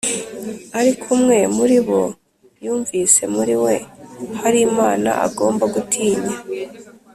ariko umwe muri bo yumvise muri we hari imana agomba gutinya